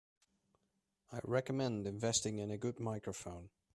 I recommend investing in a good microphone.